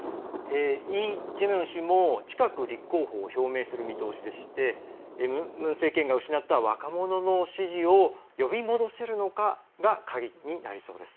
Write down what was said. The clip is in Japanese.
イ・ジェミョン氏も近く立候補を表明する見通しでしてムン政権が失った若者の支持を呼び戻せるのかが鍵になりそうです。